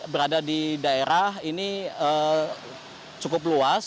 berada di daerah ini cukup luas